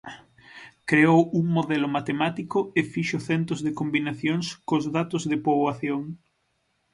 Creou un modelo matemático e fixo centos de combinacións cos datos de poboación.